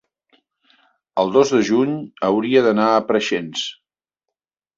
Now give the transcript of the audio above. el dos de juny hauria d'anar a Preixens.